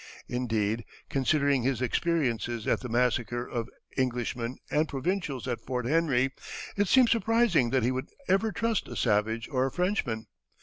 Indeed, considering his experiences at the massacre of Englishmen and provincials at Fort Henry, it seems surprising that he would ever trust a savage or a Frenchman.